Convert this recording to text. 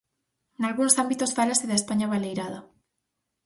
Nalgúns ámbitos fálase da España baleirada.